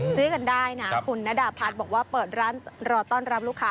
ซื้อกันได้นะคุณนดาพัฒน์บอกว่าเปิดร้านรอต้อนรับลูกค้า